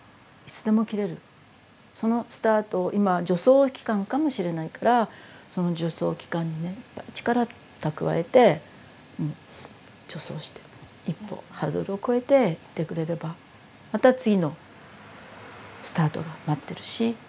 そのスタートを今助走期間かもしれないからその助走期間にね力蓄えて助走して一歩ハードルを越えていってくれればまた次のスタートが待ってるし。